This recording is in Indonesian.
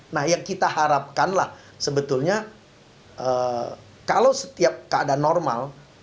nah yang kita harapkanlah sebetulnya kalau setiap keadaan normal